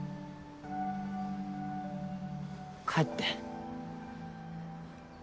帰って。